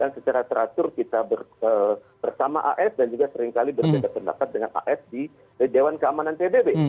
dan secara teratur kita bersama as dan juga seringkali berbeda pendapat dengan as di dewan keamanan tdb